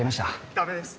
ダメです。